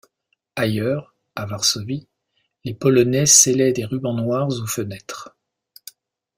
Ailleurs, à Varsovie, les Polonais scellaient des rubans noirs aux fenêtres.